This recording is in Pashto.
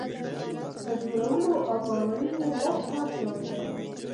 په جوړولو او په وړیو یې لږ کار شوی دی.